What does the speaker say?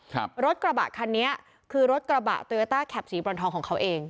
ครับรถกระบะคันนี้คือรถกระบะโยต้าแคปสีบรอนทองของเขาเอง